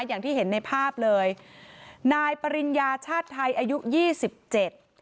อย่างที่เห็นในภาพเลยนายปริญญาชาติไทยอายุยี่สิบเจ็ด